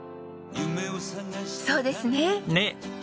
そうですね。ね！